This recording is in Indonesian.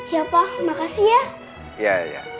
iya pak makasih ya